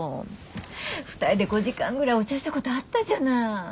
２人で５時間ぐらいお茶したことあったじゃない。